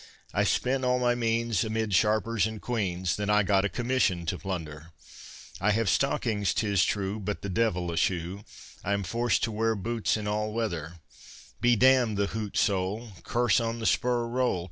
I spent all my means Amid sharpers and queans; Then I got a commission to plunder. I have stockings 'tis true, But the devil a shoe, I am forced to wear boots in all weather, Be d——d the hoot sole, Curse on the spur roll.